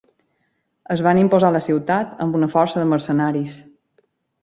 Es van imposar a la ciutat amb una força de mercenaris.